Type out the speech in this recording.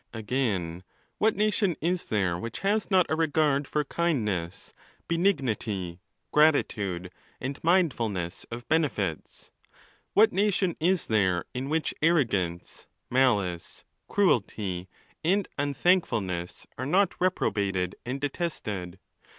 Again, what nation is there which has not a regard for kindness, benignity, gratitude, and mindfulness of benefits ? What nation is there in which arrogance, malice, cruelty, and unthankfulness, are not reprobated and detested?